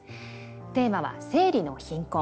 テーマは「生理の貧困」。